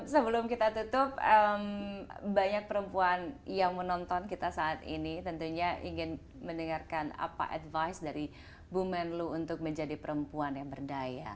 sebelum kita tutup banyak perempuan yang menonton kita saat ini tentunya ingin mendengarkan apa advice dari bu menlu untuk menjadi perempuan yang berdaya